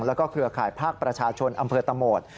แล้วก็เครือข่ายภาคประชาชนอำเภอตะโหมด